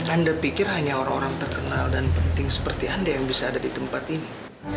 anda pikir hanya orang orang terkenal dan penting seperti anda yang bisa ada di tempat ini